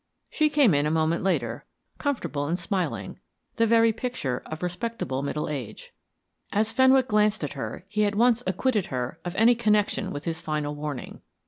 She came in a moment later, comfortable and smiling, the very picture of respectable middle age. As Fenwick glanced at her, he at once acquitted her of any connection with his final warning.